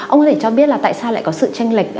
ông có thể cho biết là tại sao lại có sự tranh lệch